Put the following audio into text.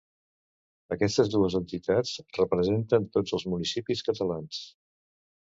Aquestes dues entitats representen tots els municipis catalans.